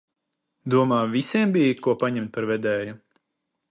Domā, visiem bija, ko paņemt par vedēju?